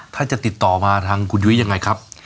ถ้าจะติดต่อมาทางคุณยุ้ยยังไงครับ